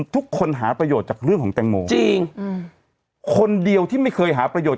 ทุกคนหาประโยชน์จากเรื่องของแตงโมจริงคนเดียวที่ไม่เคยหาประโยชน